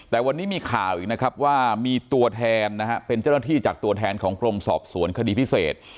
แต่วันนี้มีข่าวอีกนะครับว่ามีตัวแทนนะฮะเป็นเจ้าหน้าที่จากตัวแทนของกรมสอบสวนคดีพิเศษ